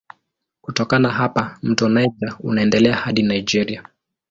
Kutoka hapa mto Niger unaendelea hadi Nigeria.